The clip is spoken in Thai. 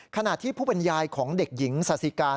ขณะที่ผู้เป็นยายของเด็กหญิงสาธิการ